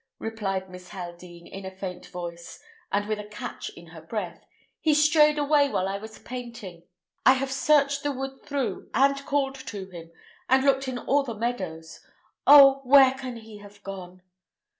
replied Miss Haldean in a faint voice, and with a catch in her breath. "He strayed away while I was painting. I have searched the wood through, and called to him, and looked in all the meadows. Oh! where can he have gone?"